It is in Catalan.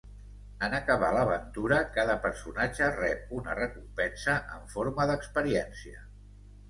En acabar l'aventura cada personatge rep una recompensa en forma d'experiència.